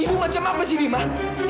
ibu macam apa sih di mak